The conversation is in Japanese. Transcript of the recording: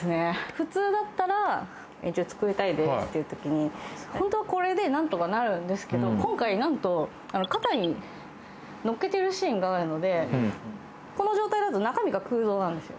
普通だったら作りたいですというときにホントはこれでなんとかなるんですけど今回なんと肩にのっけてるシーンがあるのでこの状態だと中身が空洞なんですよ